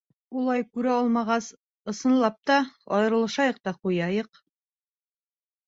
Улай күрә алмағас, ысынлап та, айырылышайыҡ та ҡуяйыҡ.